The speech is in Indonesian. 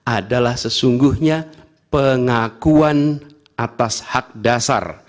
adalah sesungguhnya pengakuan atas hak dasar